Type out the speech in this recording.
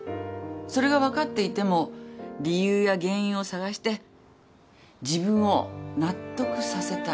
それが分かっていても理由や原因を探して自分を納得させたい。